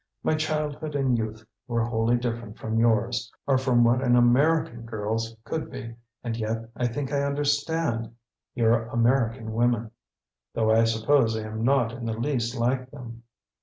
My childhood and youth were wholly different from yours, or from what an American girl's could be; and yet I think I understand your American women, though I suppose I am not in the least like them.